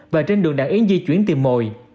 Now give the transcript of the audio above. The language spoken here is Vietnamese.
và trên đường đàn yến di chuyển tìm mồi